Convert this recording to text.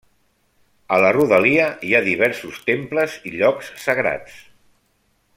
A la rodalia hi ha diversos temples i llocs sagrats.